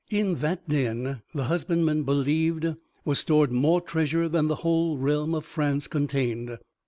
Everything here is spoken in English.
In that den, the husbandman believed, was stored more treasure than the whole realm of France contained.